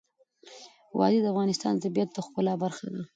وادي د افغانستان د طبیعت د ښکلا برخه ده.